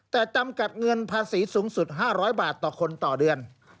แต่จำกัดเงินภาษีสูงสุด๕๐๐บาทต่อคนต่อเดือน